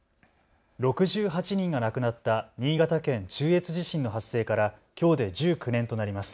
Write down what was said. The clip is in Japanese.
６８人が亡くなった新潟県中越地震の発生からきょうで１９年となります。